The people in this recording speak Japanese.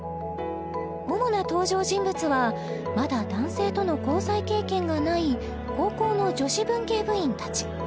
主な登場人物はまだ男性との交際経験がない高校の女子文芸部員たち